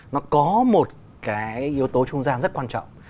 nó có một cái yếu tố trung gian rất quan trọng